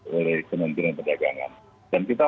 oleh kementerian perdagangan dan kita